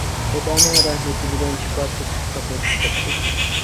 خۇدانىڭ رەھمىتى بىلەن شىپا تېپىپ ساقىيىپ قاپتۇ.